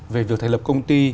về việc thành lập công ty